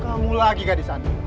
kamu lagi gadis anu